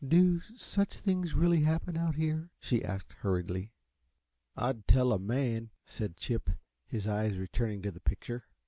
"Do such things really happen, out here?" she asked, hurriedly. "I'd tell a man!" said Chip, his eyes returning to the picture.